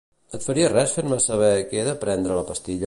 Et faria res fer-me saber que he de prendre la pastilla?